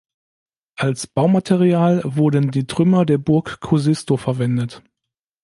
Als Baumaterial wurden die Trümmer der Burg Kuusisto verwendet.